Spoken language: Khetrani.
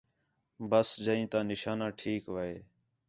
ٻس جئیں تا نشانہ ٹھیک وہے